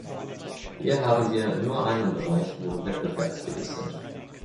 Hier haben wir nun einen Bereich, wo wir wettbewerbsfähig sind.